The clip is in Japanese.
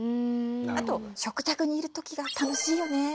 あと「食卓にいる時が楽しいよね」